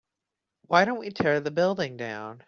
why don't we tear the building down?